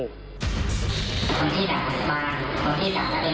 ความที่สามารถความที่สามารถเป็นประเด็น